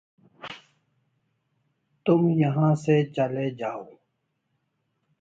تم یہاں سے چلے جاؤ